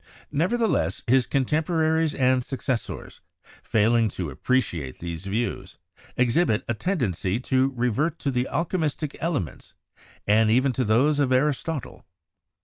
Nev ertheless, his contemporaries and successors, failing to ap preciate these views, exhibit a tendency to revert to the alchemistic elements and even to those of Aristotle.